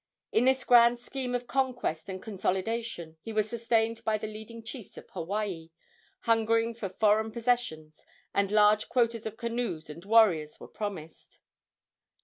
In this grand scheme of conquest and consolidation he was sustained by the leading chiefs of Hawaii, hungering for foreign possessions, and large quotas of canoes and warriors were promised.